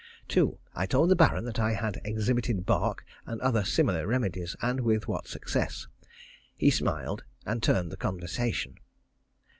2. I told the Baron that I had exhibited bark and other similar remedies, and with what success. He smiled, and turned the conversation.